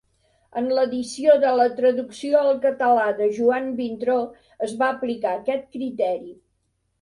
En l'edició de la traducció al català de Joan Vintró es va aplicar aquest criteri.